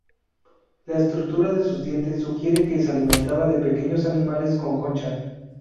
La estructura de sus dientes sugiere que se alimentaban de pequeños animales con concha.